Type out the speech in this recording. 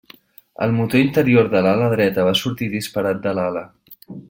El motor interior de l'ala dreta va sortir disparat de l'ala.